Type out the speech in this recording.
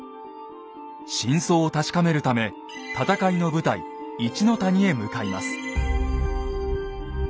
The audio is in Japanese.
真相を確かめるため戦いの舞台一の谷へ向かいます。